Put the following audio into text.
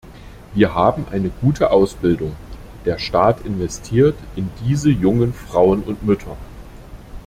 Wir haben eine gute Ausbildung, der Staat investiert in diese jungen Frauen und Mütter.